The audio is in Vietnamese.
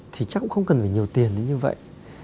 thì chắc cũng không cần phải nhiều tiền đến như vậy